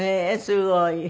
すごい。